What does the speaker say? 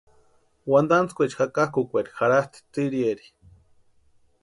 Wantantskwaecha jakakʼukwaeri jarhasti tsirieri.